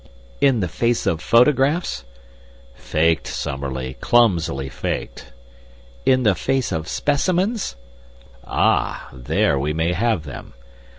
"In the face of photographs?" "Faked, Summerlee! Clumsily faked!" "In the face of specimens?" "Ah, there we may have them!